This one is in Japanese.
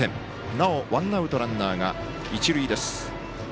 なお、ワンアウトランナーが一塁です。